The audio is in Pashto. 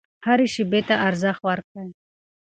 هرې شیبې ته ارزښت ورکړئ.